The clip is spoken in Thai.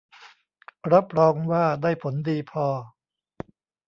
รับรองว่าได้ผลดีพอ